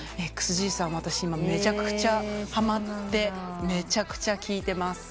ＸＧさん私今めちゃくちゃはまってめちゃくちゃ聴いてます。